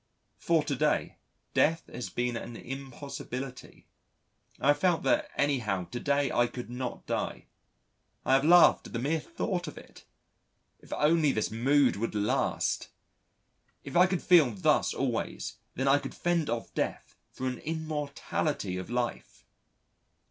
For to day, Death has been an impossibility. I have felt that anyhow to day I could not die I have laughed at the mere thought of it. If only this mood would last! If I could feel thus always, then I could fend off Death for an immortality of life.